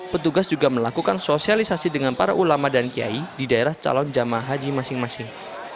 petugas juga melakukan sosialisasi dengan para ulama dan kiai di daerah calon jamaah haji masing masing